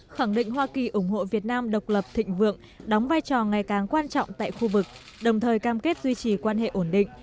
khẳng định hoa kỳ ủng hộ việt nam độc lập thịnh vượng đóng vai trò ngày càng quan trọng tại khu vực đồng thời cam kết duy trì quan hệ ổn định